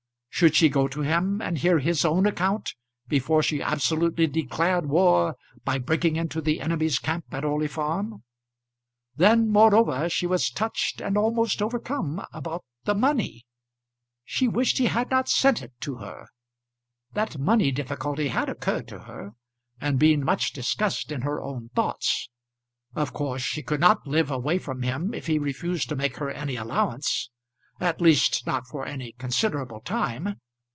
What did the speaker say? Should she go to him and hear his own account before she absolutely declared war by breaking into the enemy's camp at Orley Farm? Then, moreover, she was touched and almost overcome about the money. She wished he had not sent it to her. That money difficulty had occurred to her, and been much discussed in her own thoughts. Of course she could not live away from him if he refused to make her any allowance, at least not for any considerable time.